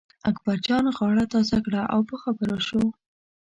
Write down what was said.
اکبرجان غاړه تازه کړه او په خبرو شو.